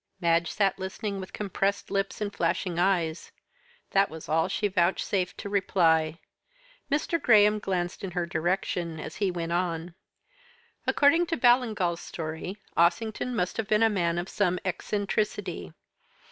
Madge sat listening with compressed lips and flashing eyes; that was all she vouchsafed to reply. Mr. Graham glanced in her direction as he went on. "According to Ballingall's story, Ossington must have been a man of some eccentricity.